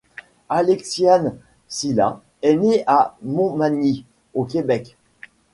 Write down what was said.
Alexiane Silla est née à Montmagny, au Québec.